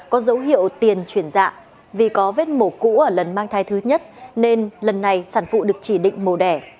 có dấu hiệu tiền chuyển dạ vì có vết mổ cũ ở lần mang thai thứ nhất nên lần này sản phụ được chỉ định màu đẻ